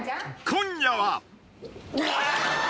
［今夜は］